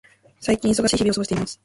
最近、忙しい日々を過ごしています。